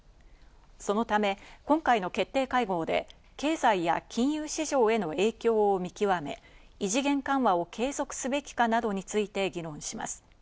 そのため、今回の決定会合で経済や金融市場への影響を見極め、異次元緩和を継続すべきかなどについて議論します。